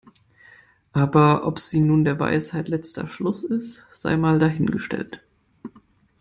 Aber ob sie nun der Weisheit letzter Schluss ist, sei mal dahingestellt.